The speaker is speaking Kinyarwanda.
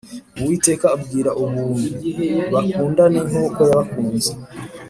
Uwiteka abwira Ubuntu bakundane nkuko yabakunze